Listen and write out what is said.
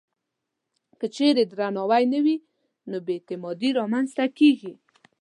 که چېرې درناوی نه وي، نو بې اعتمادي رامنځته کېږي.